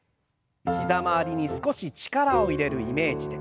膝周りに少し力を入れるイメージで。